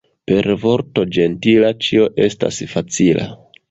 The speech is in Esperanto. Per vorto ĝentila ĉio estas facila.